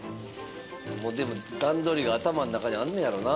もうでも段取りが頭ん中にあんねやろな。